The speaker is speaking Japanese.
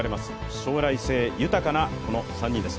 将来性豊かな、この３人です。